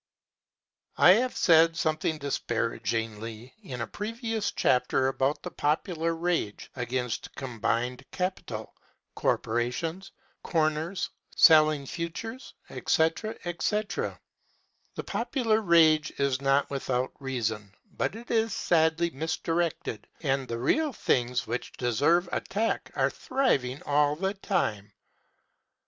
I have said something disparagingly in a previous chapter about the popular rage against combined capital, corporations, corners, selling futures, etc., etc. The popular rage is not without reason, but it is sadly misdirected and the real things which deserve attack are thriving all the time.